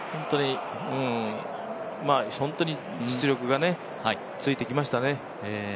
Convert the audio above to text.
ホントに実力がついてきましたね。